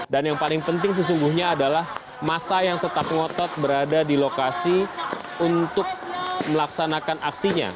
dan yang paling penting sesungguhnya adalah massa yang tetap ngotot berada di lokasi untuk melaksanakan aksinya